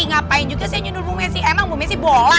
ngapain juga saya nyundur bu messi emang bu messi bola